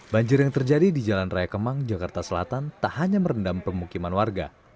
banjir yang terjadi di jalan raya kemang jakarta selatan tak hanya merendam pemukiman warga